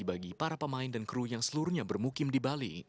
bagi para pemain dan kru yang seluruhnya bermukim di bali